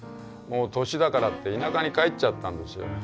「もう年だから」って田舎に帰っちゃったんですよ。